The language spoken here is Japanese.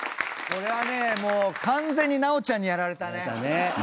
これはねもう完全に直ちゃんにやられたね。